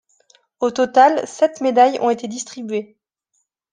Au total, sept médailles ont été distribuées.